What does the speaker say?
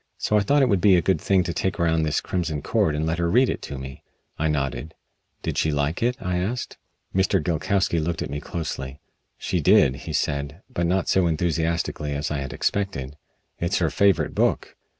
So I thought it would be a good thing to take around this 'Crimson Cord' and let her read it to me." I nodded. "Did she like it?" I asked. Mr. Gilkowsky looked at me closely. "She did," he said, but not so enthusiastically as I had expected. "It's her favorite book.